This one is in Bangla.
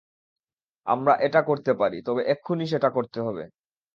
আমরা এটা করতে পারি, তবে এক্ষুণি সেটা করতে হবে।